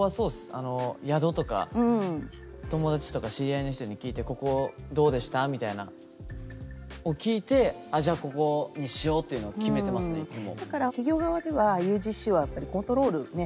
あの宿とか友達とか知り合いの人に聞いて「ここどうでした？」みたいなんを聞いてあっじゃここにしようというのを決めてますねいつも。